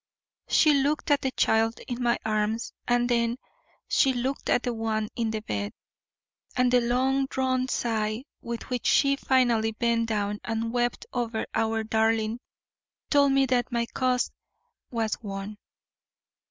She looked at the child in my arms and then she looked at the one in the bed, and the long drawn sigh with which she finally bent down and wept over our darling told me that my cause was won.